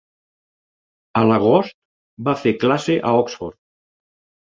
A l'agost va fer classe a Oxford.